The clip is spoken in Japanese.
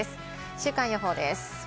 週間予報です。